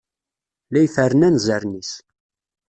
La iferren anzaren-is.